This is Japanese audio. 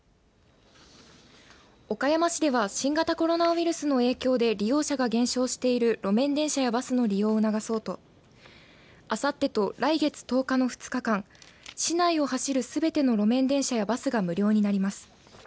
岡山市では新型コロナウイルスの影響で利用者が減少している路面電車やバスの利用を促そうとあさってと来月１０日の２日間市内を走る、すべての路面電車やバスが無料になります。